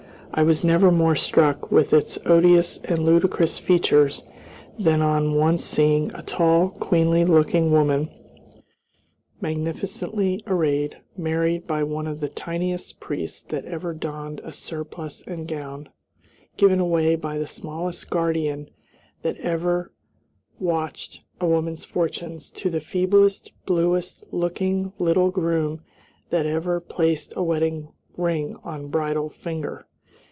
I was never more struck with its odious and ludicrous features than on once seeing a tall, queenly looking woman, magnificently arrayed, married by one of the tiniest priests that ever donned a surplice and gown, given away by the smallest guardian that ever watched a woman's fortunes, to the feeblest, bluest looking little groom that ever placed a wedding ring on bridal finger.